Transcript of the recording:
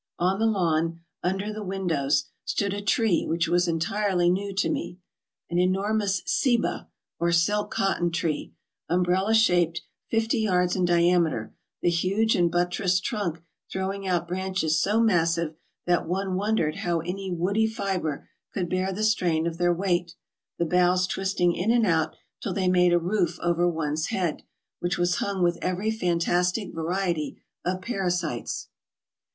On the lawn, under the windows, stood a tree which was entirely new to me, an enormous ceiba or silk cotton tree, umbrella shaped, fifty yards in diameter, the huge and buttressed trunk throw ing out branches so massive that one wondered how any woody fiber could bear the strain of their weight, the boughs twisting in and out till they made a roof over one's head, which was hung with every fantastic variety of parasites.